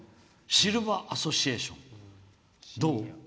シルバーアソシエーションとか。